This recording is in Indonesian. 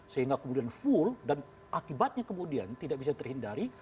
sehingga kemudian full dan akibatnya kemudian tidak bisa terhindari